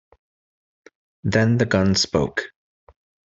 Then the gun spoke.